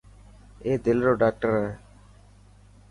اي دل رو ڊاڪٽر هي.